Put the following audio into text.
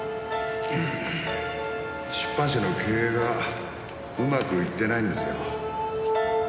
出版社の経営がうまくいってないんですよ。